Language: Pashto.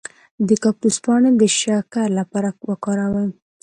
د کاکتوس پاڼې د شکر لپاره وکاروئ